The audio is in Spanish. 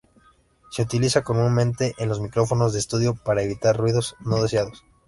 Se utilizan comúnmente en los micrófonos de estudio para evitar ruidos no deseados.